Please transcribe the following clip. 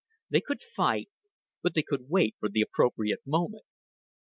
They could fight, but they could wait for the appropriate moment.